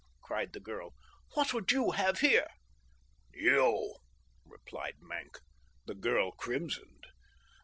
cried the girl. "What would you have here?" "You," replied Maenck. The girl crimsoned.